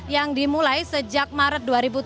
yang dimulai sejak maret dua ribu tujuh belas